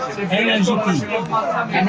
tidak ini adalah minuman